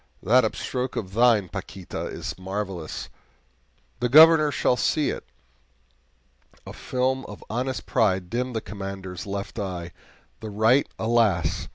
that upstroke of thine, Paquita, is marvelous; the Governor shall see it!" A film of honest pride dimmed the Commander's left eye the right, alas!